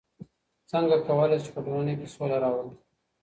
څنګه کولای سو چي په ټولنه کي سوله راولو؟